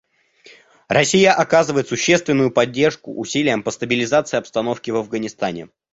Россия оказывает существенную поддержку усилиям по стабилизации обстановки в Афганистане.